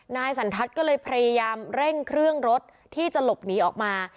นายสันทัศน์ก็เลยพยายามเร่งเครื่องรถที่จะหลบหนีออกมา